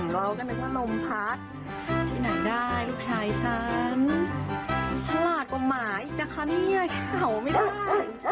เราก็นึกว่าลมพัดที่ไหนได้ลูกชายฉันฉลาดกว่าหมาอีกนะคะเนี่ยเห่าไม่ได้